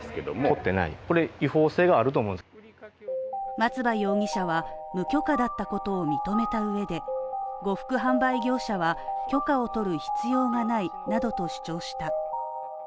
松葉容疑者は無許可だったことを認めた上で、呉服販売業者は許可を取る必要がないなどと主張した。